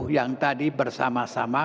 yang tadi bersama sama